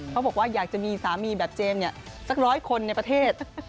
เขาบอกว่าอยากจะมีสามีแบบเจมส์สักร้อยคนในประเทศ